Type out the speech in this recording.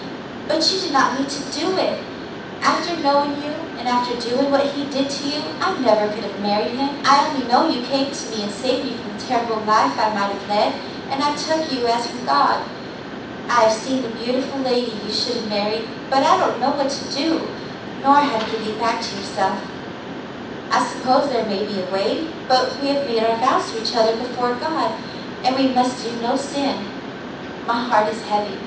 But you did not need to do it. After knowing you and after doing what he did to you, I 292 The Mountain Girl never could have married him. I only knew you came to me and saved me from the terrible life I might have led, and I took you as from God. I have seen the beau tiful lady you should have married, and I don't know what to do, nor how to give you back to yourself. I suppose there may be a way, but we have made our vows to each other before God, and we must do no sin. My heart is heavy.